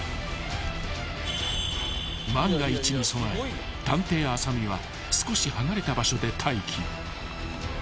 ［万が一に備え探偵浅見は少し離れた場所で待機］